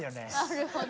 ・なるほど。